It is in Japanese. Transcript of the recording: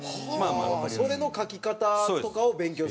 それの書き方とかを勉強するの？